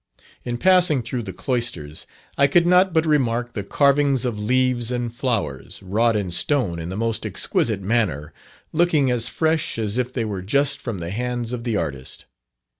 In passing through the cloisters, I could not but remark the carvings of leaves and flowers, wrought in stone in the most exquisite manner, looking as fresh as if they were just from the hands of the artist.